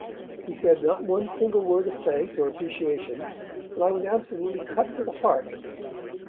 He said not one single word of thanks or appreciation, and I was absolutely cut to the heart.